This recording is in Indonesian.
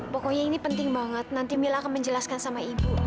pokoknya ini penting banget nanti mila akan menjelaskan sama ibu